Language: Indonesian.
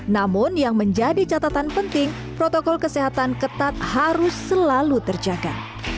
namun yang menjadi catatan penting protokol kesehatan ketat harus selalu terjaga